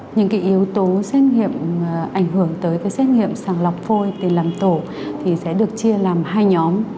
những yếu tố xét nghiệm ảnh hưởng tới xét nghiệm sàng lọc phôi tiền làm tổ sẽ được chia làm hai nhóm